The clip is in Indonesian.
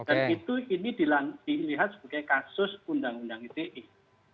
dan itu ini dilihat sebagai kasus undang undang ite